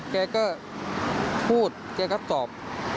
แกก็พูดแกก็ตอบ